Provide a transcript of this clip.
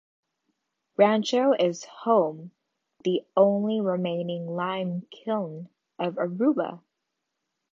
Rancho is home the only remaining lime kiln of Aruba.